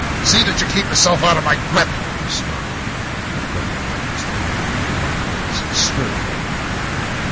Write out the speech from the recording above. "See that you keep yourself out of my grip," he snarled, and hurling the twisted poker into the fireplace he strode out of the room.